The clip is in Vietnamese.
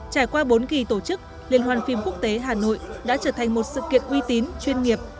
trải qua bốn kỳ tổ chức liên hoàn phim quốc tế hà nội đã trở thành một sự kiện uy tín chuyên nghiệp